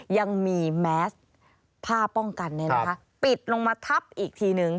ยังมีแมสผ้าป้องกันปิดลงมาทับอีกทีนึง